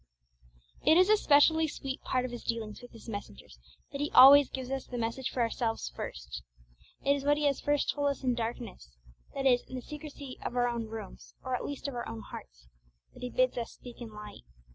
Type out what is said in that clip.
It is a specially sweet part of His dealings with His messengers that He always gives us the message for ourselves first. It is what He has first told us in darkness that is, in the secrecy of our own rooms, or at least of our own hearts that He bids us speak in light.